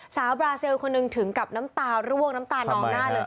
บราเซลคนหนึ่งถึงกับน้ำตาร่วงน้ำตานองหน้าเลย